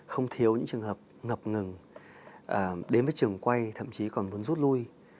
không thiếu những trường hợp ngập ngừng đến với trường quay thậm chí còn muốn rút lui